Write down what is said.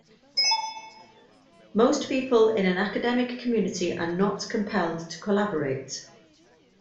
Most people in an academic community are not compelled to collaborate.